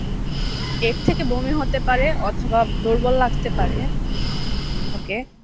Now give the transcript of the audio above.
এর থেকে বমি হতে পারে অথবা দুর্বল লাগতে পারে।